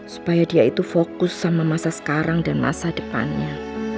supaya dia itu fokus sama masa sekarang dan masa depannya